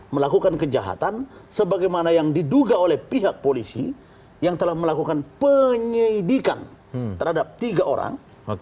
melakukan kejahatan sebagaimana yang diduga oleh pihak polisi yang telah melakukan penyidikan terhadap tiga orang